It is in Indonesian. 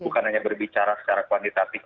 bukan hanya berbicara secara kuantitatif